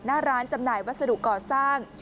หน้าร้านจำหน่ายวัสดุก่อสร้าง